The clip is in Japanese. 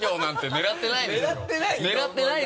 狙ってない？